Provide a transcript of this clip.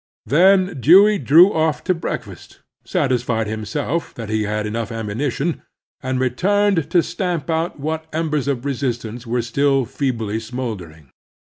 Then Dewey drew off to breakfast, satisfied himself that he had enough ammimition, and returned to stamp out what embers of resistance were still feebly smoldering.